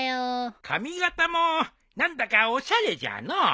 髪形も何だかおしゃれじゃのう。